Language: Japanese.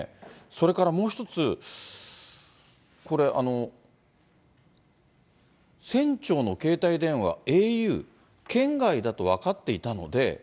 それからもう一つ、これ、船長の携帯電話、ａｕ、圏外だと分かっていたので、